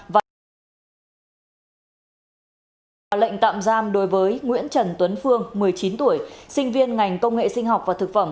và lệnh tạm giam đối với nguyễn trần tuấn phương một mươi chín tuổi sinh viên ngành công nghệ sinh học và thực phẩm